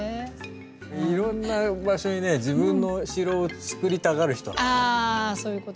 いろんな場所にね自分の城をつくりたがる人なの。